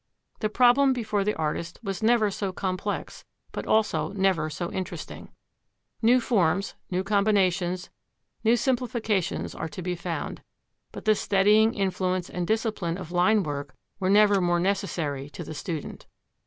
The problem before the artist was never so complex, but also never so interesting. New forms, new combinations, new simplifications are to be found. But the steadying influence and discipline of line work were never more necessary to the student.